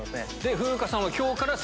風花さんは。